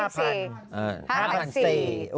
สัก๕๐๐๐สิ